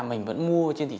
mình vẫn mua trên thiết bị